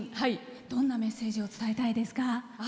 どんなメッセージを伝えたいですか。